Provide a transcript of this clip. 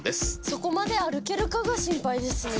そこまで歩けるかが心配ですね